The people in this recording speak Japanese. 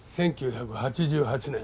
１９８８年。